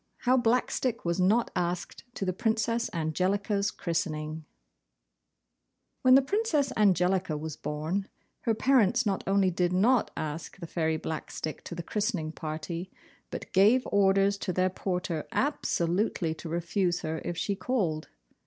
HOW BLACKSTICK WAS NOT ASKED TO THE PRINCESS ANGELICA'S CHRISTENING When the Princess Angelica was born, her parents not only did not ask the Fairy Blackstick to the christening party, but gave orders to their porter absolutely to refuse her if she called.